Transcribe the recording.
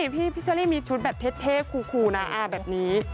พี่ชัลลี่มีชุดแบบเท่คูลนะอ่าแบบนี้